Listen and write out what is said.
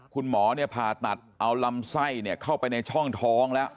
คุณหมอผ่าตัดเอาลำไส้เข้าไปในช่องท้องแล้ว